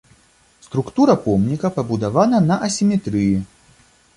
Структура помніка пабудавана на асіметрыі.